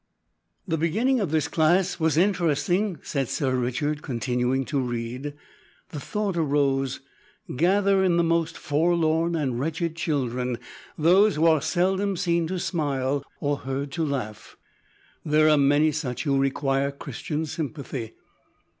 "The beginning of this class was interesting," said Sir Richard, continuing to read. "The thought arose `gather in the most forlorn and wretched children; those who are seldom seen to smile, or heard to laugh; there are many such who require Christian sympathy.'